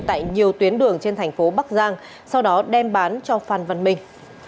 tại nhiều tuyến đường trên thành phố bắc giang sau đó đem bán cho phan văn minh